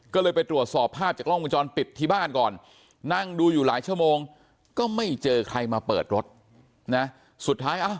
ก็เลยไปตรวจสอบภาพจากกล้องวงจรปิดที่บ้านก่อนนั่งดูอยู่หลายชั่วโมงก็ไม่เจอใครมาเปิดรถนะสุดท้ายอ่ะ